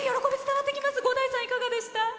伍代さん、いかがでした？